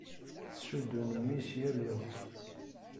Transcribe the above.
Tessudun mmi-s yal iḍ.